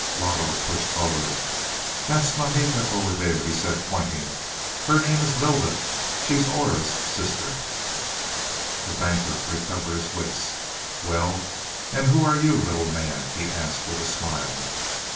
Loto pushed forward. "That's mamita over there," he said, pointing. "Her name is Lylda; she's Aura's sister." The Banker recovered his wits. "Well, and who are you, little man?" he asked with a smile.